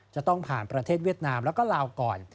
จะต้องผ่านประเทศเวียดนามแล้วก็ลาวก่อน